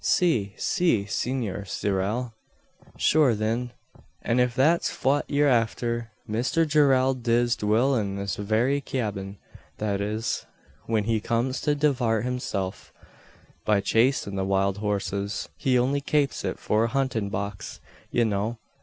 "Si Si! Senor Zyerral." "Shure, thin, an if that's fwhat ye're afther, Misther Gerrald diz dwill in this very cyabin that is, whin he comes to divart hisself, by chasin' the wild horses. He only kapes it for a huntin' box, ye know.